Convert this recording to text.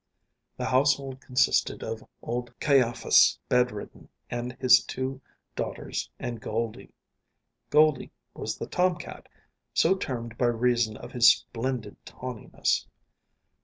The household consisted of old Caiaphas, bedridden, and his two daughters and Goldie. Goldie was the tomcat, so termed by reason of his splendid tawniness.